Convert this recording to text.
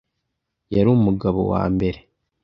yari umugabo wa mbere